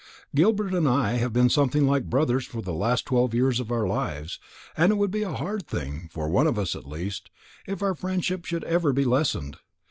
"Gilbert and I have been something like brothers for the last twelve years of our lives, and it would be a hard thing, for one of us at least, if our friendship should ever be lessened.